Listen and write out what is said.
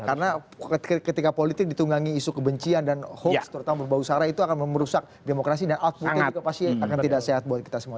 karena ketika politik ditunggangi isu kebencian dan hoax terutama berbahaya usara itu akan merusak demokrasi dan outputnya juga pasti akan tidak sehat buat kita semua